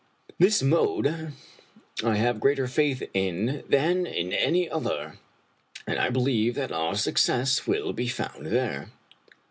This mode I have greater faith in than in any other, and I believe that our success will be found there."